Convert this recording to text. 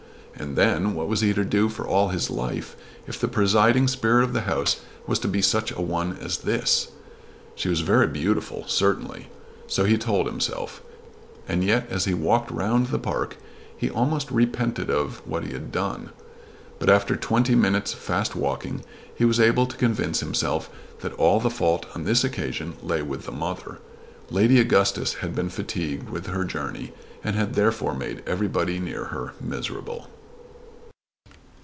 And then, what was he to do for all his life if the presiding spirit of the house was to be such a one as this? She was very beautiful, certainly. So he told himself; and yet as he walked round the park he almost repented of what he had done. But after twenty minutes' fast walking he was able to convince himself that all the fault on this occasion lay with the mother. Lady Augustus had been fatigued with her journey and had therefore made everybody near her miserable.